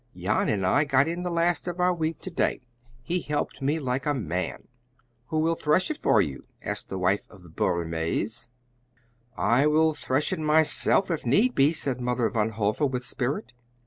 "Jan and I got in the last of our wheat to day. He helped me like a man." "Who will thresh it for you?" asked the wife of Boer Maes. "I will thresh it myself, if need be," said Mother Van Hove with spirit.